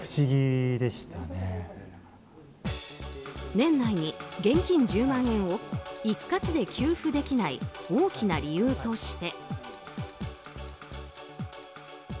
年内に現金１０万円を、一括で給付できない大きな理由として。